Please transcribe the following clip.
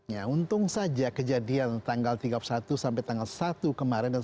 ya untung saja kejadian tanggal tiga puluh satu sampai tanggal satu kemarin dan selama itu kita bisa mengalir ke laut